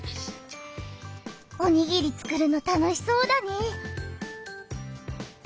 おにぎりつくるの楽しそうだね。